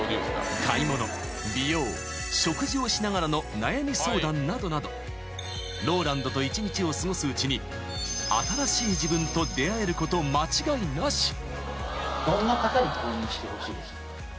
［買い物美容食事をしながらの悩み相談などなどＲＯＬＡＮＤと１日を過ごすうちに新しい自分と出会えること間違いなし］